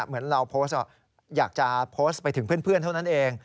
เหมือนเราโพสต์อยากจะโพสต์ไปถึงเพื่อนเท่านั้นเอง